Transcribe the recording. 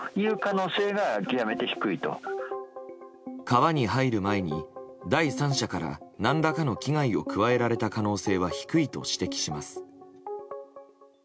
川に入る前に第三者から何らかの危害を加えられた可能性は低いと指摘します。